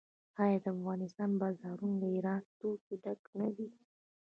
آیا د افغانستان بازارونه له ایراني توکو ډک نه دي؟